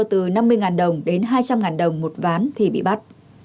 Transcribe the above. từ năm mươi đồng đến hai trăm linh đồng một ván thì bị bắt